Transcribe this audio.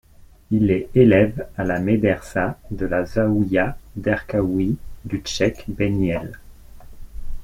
Il est élève à la médersa de la zaouïa derkaouia du Cheikh Benyelles.